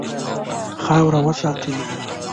خاوره وساتئ.